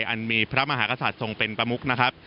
อันมีพระมหากษัตริย์ทรงเป็นประมุกนะครับ